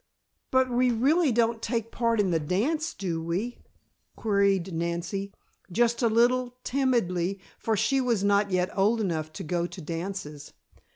"But we really don't take part in the dance, do we?" queried Nancy, just a little timidly, for she was not yet old enough to go to dances.